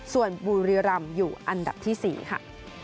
ส่วนบุรีรำอยู่อันดับที่๔ค่ะ